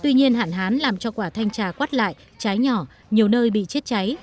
tuy nhiên hạn hán làm cho quả thanh trà quắt lại trái nhỏ nhiều nơi bị chết cháy